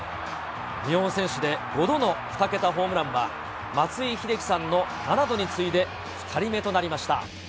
日本選手で５度の２桁ホームランは、松井秀喜さんの７度に次いで２人目となりました。